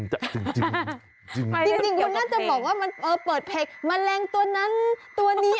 จริงคุณน่าจะบอกว่ามันเปิดเพลงแมลงตัวนั้นตัวนี้